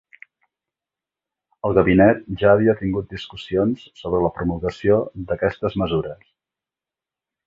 El gabinet ja havia tingut discussions sobre la promulgació d'aquestes mesures.